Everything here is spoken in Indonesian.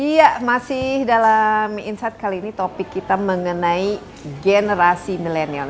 iya masih dalam insight kali ini topik kita mengenai generasi milenial